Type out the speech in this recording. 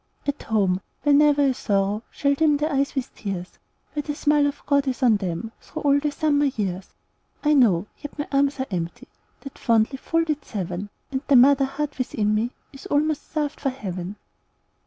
At home, where never a sorrow Shall dim their eyes with tears! Where the smile of God is on them Through all the summer years! I know, yet my arms are empty, That fondly folded seven, And the mother heart within me Is almost starved for heaven.